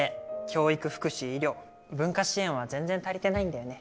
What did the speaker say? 教育福祉医療文化支援は全然足りてないんだよね。